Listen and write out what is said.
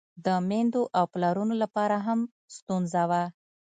د میندو او پلرونو له پاره هم ستونزه وه.